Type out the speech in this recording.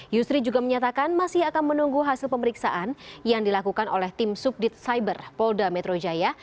yusri juga menyatakan masih akan menunggu hasil pemeriksaan yang dilakukan oleh tim subdit cyber polda metro jaya